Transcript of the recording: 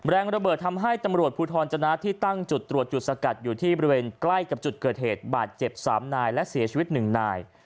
แรงระเบิดทำให้ตำรวจภูทรจนะที่ตั้งจุดตรวจจุดสกัดอยู่ที่บริเวณใกล้กับจุดเกิดเหตุบาดเจ็บ๓นายและเสียชีวิต๑นาย